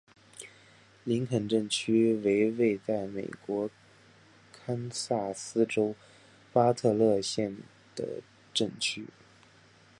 林肯镇区为位在美国堪萨斯州巴特勒县的镇区。